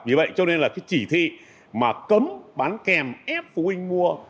vì vậy cho nên là cái chỉ thị mà cấm bán kèm ép phụ huynh mua